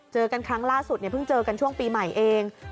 เจอกันครั้งล่าสุดเนี่ยเพิ่งเจอกันช่วงปีใหม่เอง